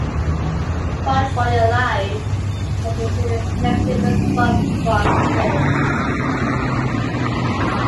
"Fight for Your Life" has received a negative response from critics.